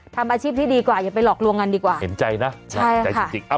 ทำอาชีพที่ดีกว่าอย่าไปหลอกลวงกันดีกว่าเห็นใจนะเห็นใจจริง